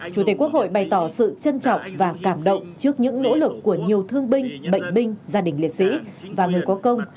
chủ tịch quốc hội bày tỏ sự trân trọng và cảm động trước những nỗ lực của nhiều thương binh bệnh binh gia đình liệt sĩ và người có công